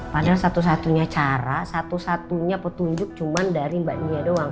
padahal satu satunya cara satu satunya petunjuk cuma dari mbak nia doang